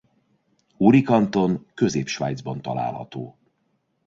Uri kanton Közép-Svájcban található.